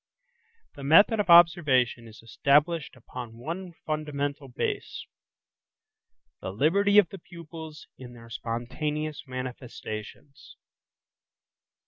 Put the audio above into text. The method of observation is established upon one fundamental base–the liberty of the pupils in their spontaneous manifestations.